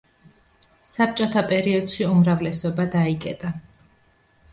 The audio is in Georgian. საბჭოთა პერიოდში უმრავლესობა დაიკეტა.